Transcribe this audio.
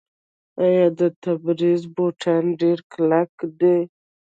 آیا د تبریز بوټان ډیر کلک نه دي؟